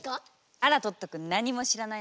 あらトットくん何にも知らないのね。